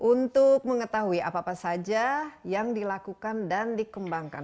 untuk mengetahui apa apa saja yang dilakukan dan dikembangkan